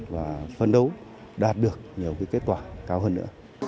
và phân đấu đạt được nhiều kết quả cao hơn nữa